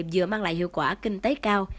giữa mang lại hiệu quả kinh tế cao